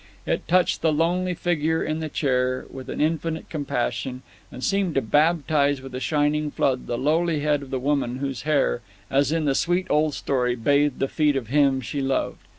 It touched the lonely figure in the chair with an infinite compassion, and seemed to baptize with a shining flood the lowly head of the woman whose hair, as in the sweet old story, bathed the feet of him she loved.